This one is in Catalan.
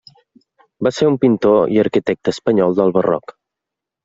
Va ser un pintor i arquitecte espanyol del barroc.